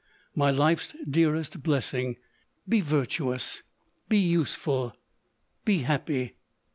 my life's dearest blessing ! be virtuous, be useful, be happy